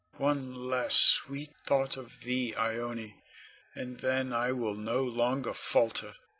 One last sweet thought of thee, Ione, and then I will no longer falter.